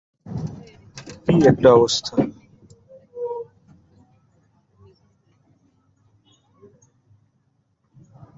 কিন্তু কিছুতেই কিছু ফলপ্রসূ হল না।